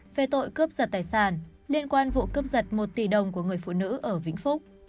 về tội cướp giật tài sản liên quan vụ cướp giật một tỷ đồng của người phụ nữ ở vĩnh phúc